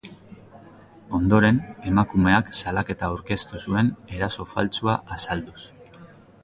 Ondoren, emakumeak salaketa aurkeztu zuen eraso faltsua azalduz.